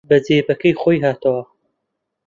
بە جێبەکەی خۆی هاتەوە